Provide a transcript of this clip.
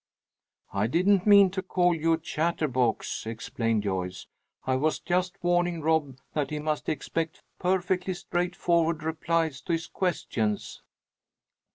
"I didn't mean to call you a chatterbox," explained Joyce. "I was just warning Rob that he must expect perfectly straightforward replies to his questions."